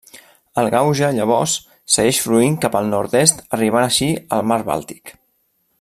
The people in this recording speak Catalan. El Gauja, llavors, segueix fluint cap al nord-est arribant així al Mar Bàltic.